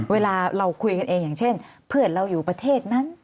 เวลาเราคุยกันเองอย่างเช่นเพื่อนเราอยู่ประเทศนั้น